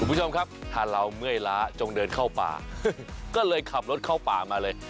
คุณผู้ชมครับถ้าเราเมื่อยล้าจงเดินเข้าป่าก็เลยขับรถเข้าป่ามาเลย